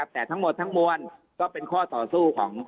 แต่ทั้งบททั้งมวลก็เป็นข้อสอดสู้ของสแอม